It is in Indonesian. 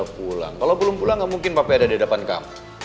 kalau belum pulang gak mungkin papi ada di depan kamu